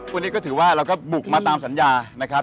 วันนี้ก็ถือว่าเราก็บุกมาตามสัญญานะครับ